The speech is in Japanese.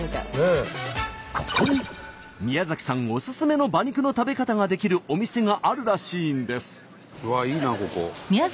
ここに宮崎さんオススメの馬肉の食べ方ができるお店があるらしいんです。